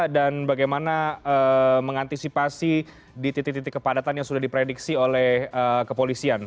dan bagaimana mengantisipasi di titik titik kepadatan yang sudah diprediksi oleh kepolisian